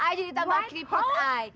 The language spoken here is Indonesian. i jadi tambah kripot i